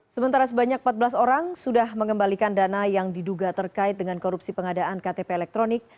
sementara sebanyak empat belas orang sudah mengembalikan dana yang diduga terkait dengan korupsi pengadaan ktp elektronik